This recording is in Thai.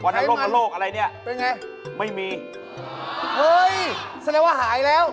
เฮ้ยแสดงว่าหายแล้ว